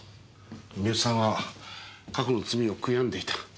三好さんは過去の罪を悔んでいた。